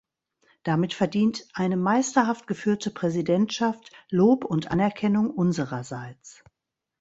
Damit verdient eine meisterhaft geführte Präsidentschaft Lob und Anerkennung unsererseits.